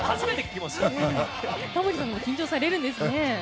タモリさんも緊張されるんですね。